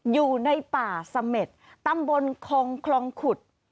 อยู่ในป่าเสม็ดตำบลคลองคลองขุด